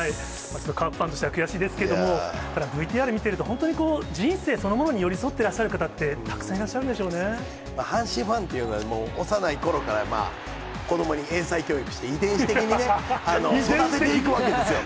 カープファンとしては悔しいですけれども、ＶＴＲ見てると、本当に人生そのものに寄り添ってらっしゃる方って、たくさんいら阪神ファンっていうのは、幼いころから、子どもに英才教育して、遺伝子的にね、育てていくわけですよ。